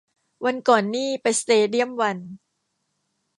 วันก่อนนี่ไปสเตเดียมวัน